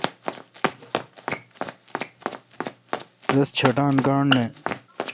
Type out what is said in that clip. رس شݨان گانٹھ نہ۔